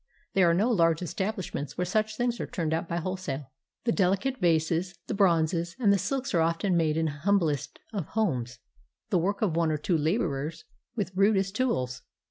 There are no large establishments where such things are turned out by wholesale. The delicate vases, the bronzes, and the silks are often made in hum blest homes, the work of one or two laborers with rudest tools.